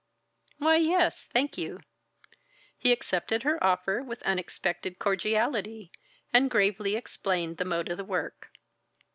"Why, yes, thank you!" He accepted her offer with unexpected cordiality, and gravely explained the mode of work.